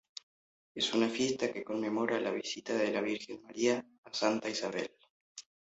Es una fiesta que conmemora la visita de la Virgen María a Santa Isabel.